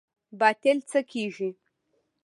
باطل څه کیږي؟